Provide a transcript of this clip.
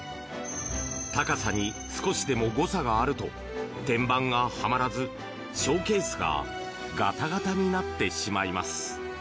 高さに少しでも誤差があると天板がはまらずショーケースがガタガタになってしまいます。